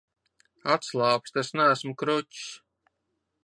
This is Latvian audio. Atslābsti, es neesmu kruķis.